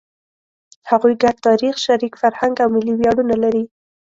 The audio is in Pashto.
هغوی ګډ تاریخ، شریک فرهنګ او ملي ویاړونه لري.